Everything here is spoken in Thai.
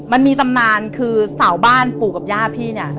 มันมีตำนานคือสาวบ้านปู่กับย่าพี่เนี่ย